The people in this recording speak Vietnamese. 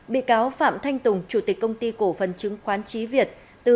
bị cáo phạm thanh tùng chủ tịch công ty cổ phần chứng khoán trí việt